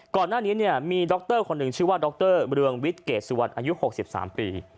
ก่อนหน้านี้เนี่ยมีดรคนหนึ่งชื่อว่าดรเมืองวิทย์เกรดสุวรรณอายุ๖๓ปี